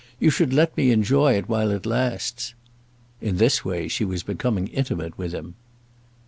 You should let me enjoy it while it lasts." In this way she was becoming intimate with him.